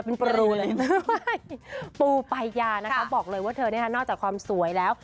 ปูปัญญานะคะบอกเลยว่านอกจากความสวยแล้ว